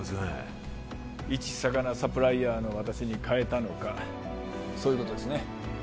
いち魚サプライヤーの私に買えたのかそういうことですね？